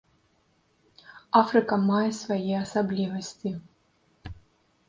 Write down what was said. Афрыка мае свае асаблівасці.